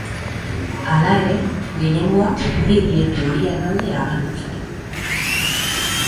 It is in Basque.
Hala ere, gehiengoa bi lege horien alde agertu zen.